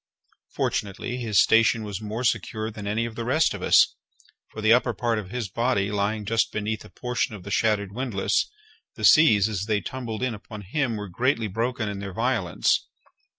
Fortunately, his station was more secure than that of any of the rest of us; for the upper part of his body lying just beneath a portion of the shattered windlass, the seas, as they tumbled in upon him, were greatly broken in their violence.